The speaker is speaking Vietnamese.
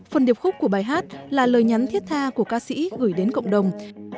phần điệp khúc của bài hát là lời nhắn thiết tha của ca sĩ gửi đến cộng đồng